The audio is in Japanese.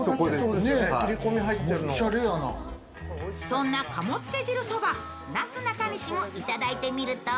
そんな鴨つけ汁そば、なすなかにしも頂いてみると